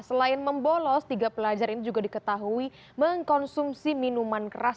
selain membolos tiga pelajar ini juga diketahui mengkonsumsi minuman keras